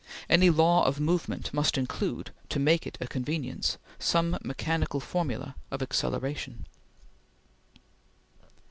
Any law of movement must include, to make it a convenience, some mechanical formula of acceleration.